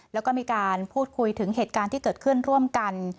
แล้วก็มีการพูดคุยถึงเหตุการณ์ที่เกิดขึ้นร่วมกัน